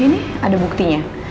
ini ada buktinya